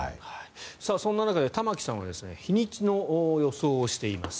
そんな中で、玉木さんは日にちの予想をしています。